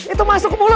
itu masuk ke mulut